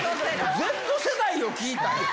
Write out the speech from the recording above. Ｚ世代を聞いたんや。